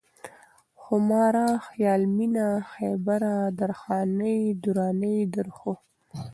خوماره ، خيال مينه ، خيبره ، درخانۍ ، درانۍ ، درخو